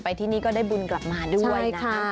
ที่นี่ก็ได้บุญกลับมาด้วยนะคะ